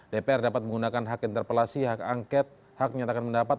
dpr dapat menggunakan hak interpelasi hak angket hak menyatakan pendapat